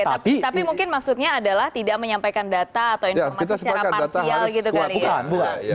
tapi mungkin maksudnya adalah tidak menyampaikan data atau informasi secara parsial gitu kan ya